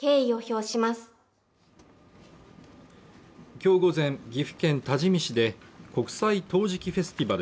きょう午前岐阜県多治見市で国際陶磁器フェスティバル